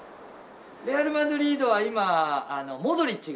レアル・マドリードは今モドリッチが。